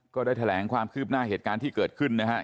ก็ได้แถลงความคืบหน้าเหตุการณ์ที่เกิดขึ้นนะครับ